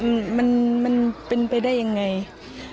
เนื่องจากนี้ไปก็คงจะต้องเข้มแข็งเป็นเสาหลักให้กับทุกคนในครอบครัว